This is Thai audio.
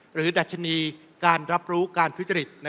ดัชนีการรับรู้การทุจริต